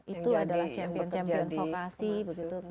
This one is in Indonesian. itu adalah champion champion vokasi begitu